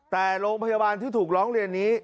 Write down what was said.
แต่โรงพยาบาลที่ถูกร้องเรียนนี้